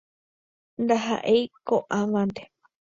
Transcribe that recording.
Ndaha'éi ko'ãvante.